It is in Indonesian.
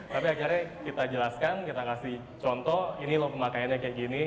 tapi akhirnya kita jelaskan kita kasih contoh ini loh pemakaiannya kayak gini